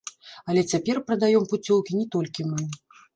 Але цяпер прадаём пуцёўкі не толькі мы.